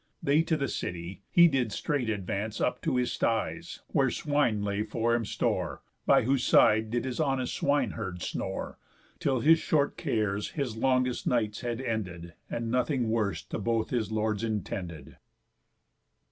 They to the city; he did straight advance Up to his styes, where swine lay for him store, By whose side did his honest swine herd snore, Till his short cares his longest nights had ended, And nothing worse to both his lords intended.